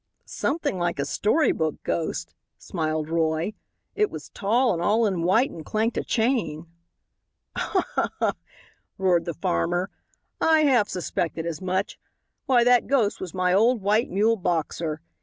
"Something like a story book ghost," smiled Roy; "it was tall and all in white and clanked a chain." "Ha! ha! ha!" roared the farmer; "I half suspected as much. Why, that ghost was my old white mule Boxer.